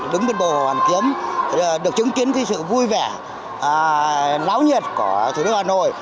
đứng bên bầu hoàng kiếm được chứng kiến sự vui vẻ láo nhiệt của thủ đô hà nội